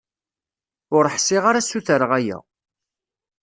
Ur ḥṣiɣ ara sutreɣ aya.